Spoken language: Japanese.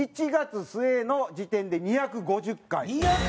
１月末の時点で２５０回。